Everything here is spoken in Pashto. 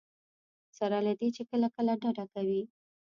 سره له دې چې کله کله ډډه کوي.